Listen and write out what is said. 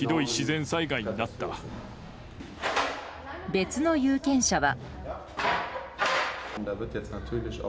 別の有権者は。